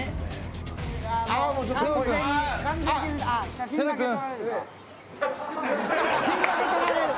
写真だけ撮られる。